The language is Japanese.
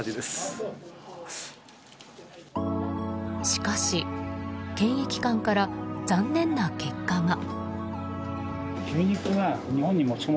しかし、検疫官から残念な結果が。